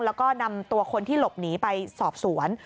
แล้วก็นำตัวคนที่หลบหนีไปสอบสวน